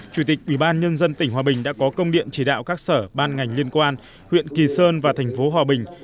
chủ tịch ubnd tỉnh hòa bình đã có công điện chỉ đạo các sở ban ngành liên quan huyện kỳ sơn và tp hòa bình